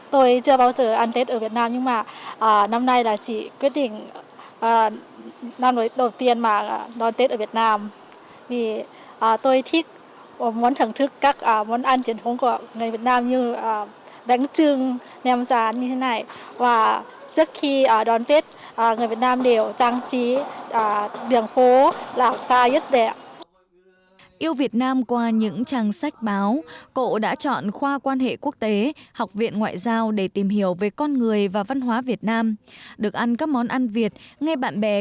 tôi chưa bao giờ ăn tết ở việt nam nhưng mà năm nay là chỉ quyết định năm đầu tiên mà đón tết ở việt nam